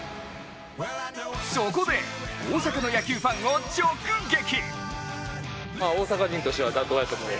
そこで大阪の野球ファンを直撃！